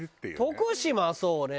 徳島そうね。